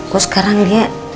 kok sekarang dia